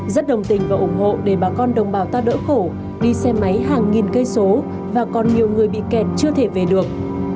rất đồng tình và ủng hộ để bà con đồng bào ta đỡ khổ đi xe máy hàng nghìn cây số và còn nhiều người bị kẹt chưa thể về được